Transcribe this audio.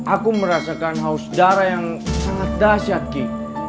aku merasakan haus darah yang sangat dahsyat ki